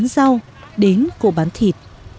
sau đến cô bán thịt